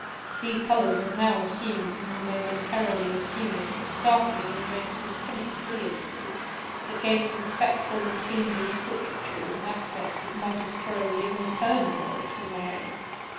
These colors had now assumed, and were momentarily assuming, a startling and most intense brilliancy, that gave to the spectral and fiendish portraitures an aspect that might have thrilled even firmer nerves than my own.